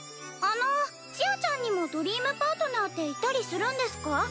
あのちあちゃんにもドリームパートナーっていたりするんですか？